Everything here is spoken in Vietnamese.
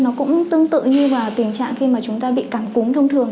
nó cũng tương tự như là tình trạng khi mà chúng ta bị cảm cúng thông thường